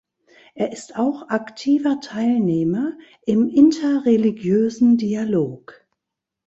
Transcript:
Er ist auch aktiver Teilnehmer im interreligiösen Dialog.